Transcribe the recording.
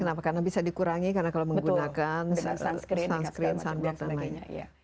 kenapa karena bisa dikurangi karena kalau menggunakan sunscreen sunboard dan lainnya